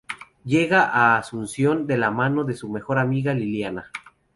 Llega a Asunción de la mano de su mejor amiga, Liliana.